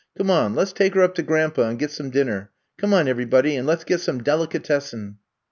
Come on, let 's take her up to Grandpa and get some din ner. Come on everybody and let 's get some delicatessen.